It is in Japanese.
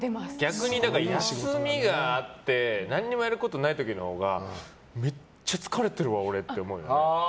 逆に休みがあって何もやることがない時のほうがめっちゃ疲れてるわ、俺って思うよね。